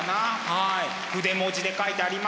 はい。